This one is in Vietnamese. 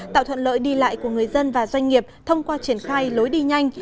tạo thuận lợi đi lại của người dân và doanh nghiệp thông qua triển khai lối đi nhanh